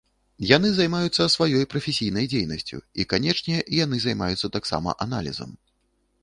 Яны займаюцца сваёй прафесійнай дзейнасцю, і, канечне, яны займаюцца таксама аналізам.